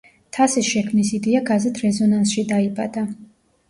თასის შექმნის იდეა გაზეთ რეზონანსში დაიბადა.